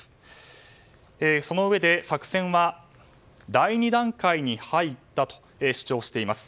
そのうえで作戦は第２段階に入ったと主張しています。